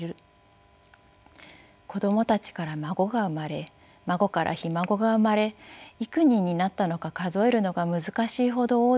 子供たちから孫が生まれ孫からひ孫が生まれ幾人になったのか数えるのが難しいほど大勢になり